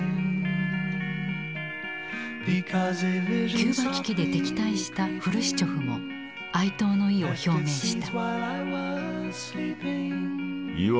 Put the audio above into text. キューバ危機で敵対したフルシチョフも哀悼の意を表明した。